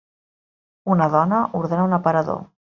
Una dona ordena un aparador.